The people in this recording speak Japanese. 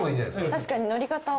確かに乗り方を。